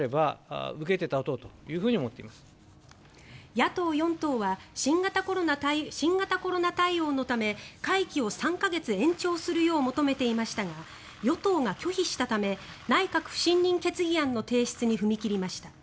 野党４党は新型コロナ対応のため会期を３か月延長するよう求めていましたが与党が拒否したため内閣不信任決議案の提出に踏み切りました。